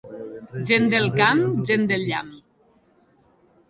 Gent del camp, gent del llamp.